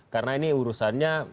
karena ini urusannya